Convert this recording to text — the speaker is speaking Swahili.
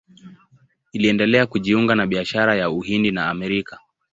Iliendelea kujiunga na biashara ya Uhindi na Amerika.